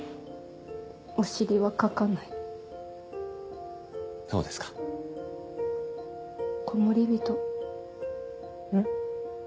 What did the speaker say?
お尻はかかないそうですかコモリビトん？